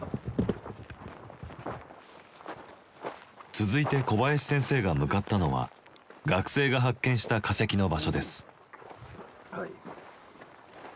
続いて小林先生が向かったのは学生が発見した化石の場所です。